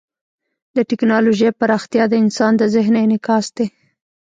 د ټیکنالوژۍ پراختیا د انسان د ذهن انعکاس دی.